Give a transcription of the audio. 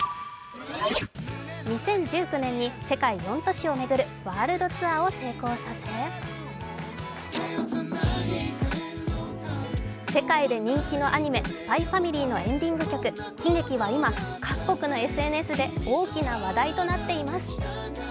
２０１９年に世界４都市を巡るワールドツアーを成功させ世界で人気のアニメ、「ＳＰＹ×ＦＡＭＩＬＹ」のエンディング曲、「喜劇」は今各国のＳＮＳで大きな話題となっています。